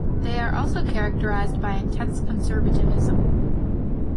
They are also characterized by "intense conservatism".